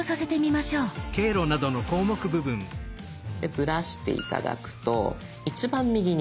ずらして頂くと一番右に。